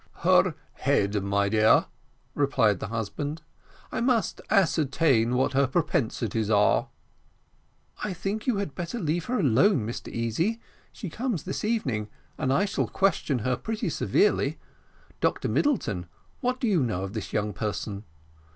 "Her head, my dear," replied the husband. "I must ascertain what her propensities are." "I think you had better leave her alone, Mr Easy. She comes this evening, and I shall question her pretty severely. Dr Middleton, what do you know of this young person?"